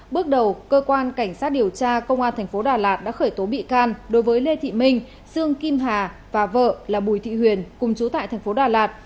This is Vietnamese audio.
bước đầu cơ quan cảnh sát điều tra công an tp đà lạt đã khởi tố bị can đối với lê thị minh sương kim hà và vợ là bùi thị huyền cùng chú tại tp đà lạt